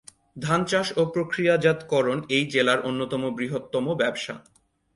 ধান চাষ ও প্রক্রিয়াজাতকরণ এই জেলার অন্যতম বৃহত্তম ব্যবসা।